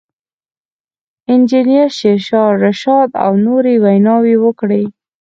انجنیر شېرشاه رشاد او نورو ویناوې وکړې.